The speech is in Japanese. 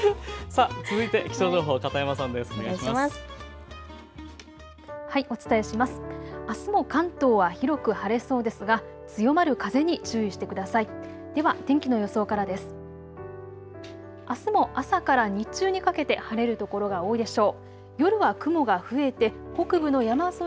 あすも関東は広く晴れそうですが強まる風に注意してください。